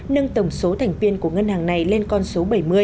nâng tổng số thành viên của ngân hàng này lên con số bảy mươi